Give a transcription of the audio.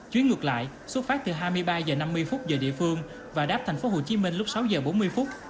chuyến ngược lại xuất phát từ hai mươi ba h năm mươi giờ địa phương và đáp thành phố hồ chí minh lúc sáu giờ bốn mươi phút